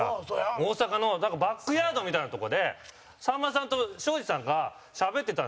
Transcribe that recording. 大阪のバックヤードみたいなとこでさんまさんとショージさんがしゃべってたんですよ。